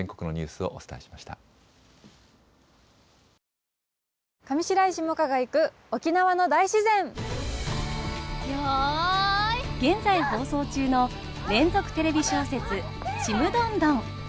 現在放送中の連続テレビ小説「ちむどんどん」。